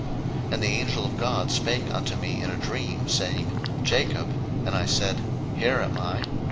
01:031:011 And the angel of God spake unto me in a dream, saying, Jacob: And I said, Here am I.